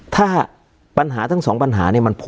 การแสดงความคิดเห็น